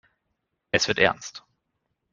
Es wird ernst.